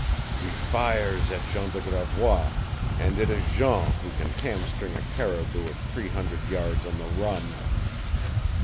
"He fires at Jean de Gravois, and it is Jean who can hamstring a caribou at three hundred yards on the run!"